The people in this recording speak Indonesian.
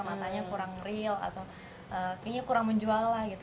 matanya kurang real atau kayaknya kurang menjual lah gitu